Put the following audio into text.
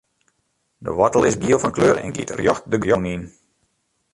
De woartel is giel fan kleur en giet rjocht de grûn yn.